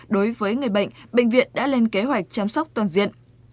đối với người bệnh bệnh viện đã lên kế hoạch chăm sóc toàn diện